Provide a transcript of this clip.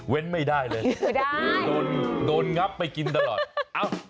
เว้นไม่ได้เลยแหละโดนงับไปกินตลอดพูดง็